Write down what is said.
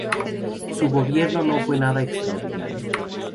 Su gobierno no fue nada extraordinario.